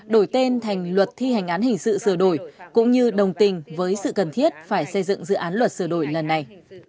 đổi tên thành luật thi hành án hình sự sửa đổi cũng như đồng tình với sự cần thiết phải xây dựng dự án luật sửa đổi lần này